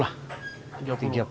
tiga puluh sampai empat puluh